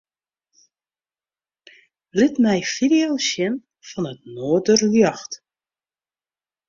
Lit my fideo's sjen fan it noarderljocht.